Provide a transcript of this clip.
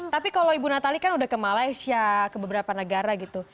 tapi kalau ibu natali kan udah ke malaysia ke beberapa negara gitu